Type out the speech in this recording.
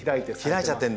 開いちゃってんだ！